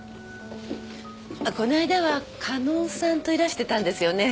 この間は加納さんといらしてたんですよね？